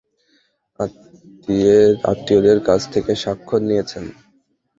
আত্মীয়দের কাছ থেকে স্বাক্ষর নিয়েছেন?